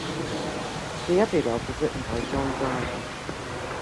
The epilogue was written by John Dryden.